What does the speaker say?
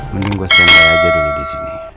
mending gue sendirian aja dulu disini